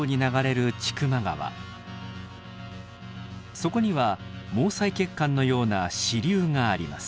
そこには毛細血管のような支流があります。